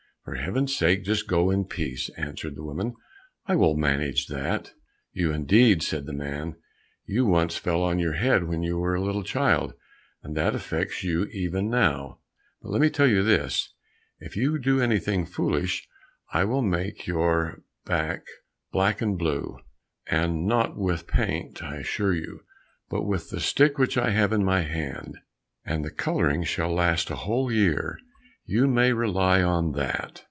"For heaven's sake just go in peace," answered the woman, "I will manage that." "You, indeed," said the man. "You once fell on your head when you were a little child, and that affects you even now; but let me tell you this, if you do anything foolish, I will make your back black and blue, and not with paint, I assure you, but with the stick which I have in my hand, and the colouring shall last a whole year, you may rely on that."